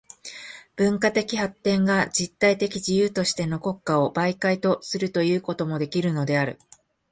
文化的発展が実体的自由としての国家を媒介とするということもできるのである。